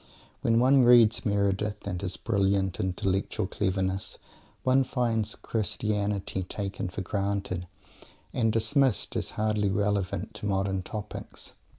When one reads Meredith, with his brilliant intellectual cleverness, one finds Christianity "taken for granted," and dismissed as hardly relevant to modern topics.